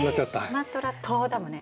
スマトラ「島」だもんね